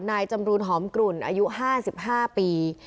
นายจำรูนหอมกลุ่นอายุ๕๕ปี